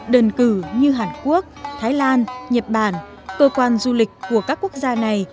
đơn cử như hàn quốc thái lan nhật bản cơ quan du lịch của các quốc gia này